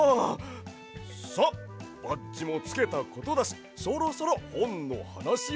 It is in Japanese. さあバッジもつけたことだしそろそろほんのはなしを。